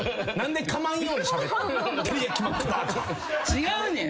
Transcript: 違うねん。